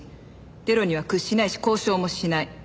テロには屈しないし交渉もしない。